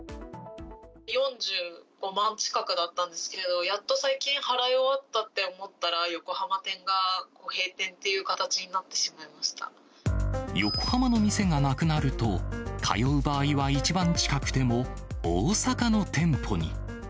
４５万近くだったんですけど、やっと最近、払い終わったって思ったら、横浜店が閉店っていう形になって横浜の店がなくなると、通う場合は一番近くても大阪の店舗に。